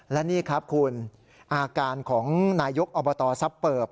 และนี่ครับคุณอาการของนายกอบตซับเปิบ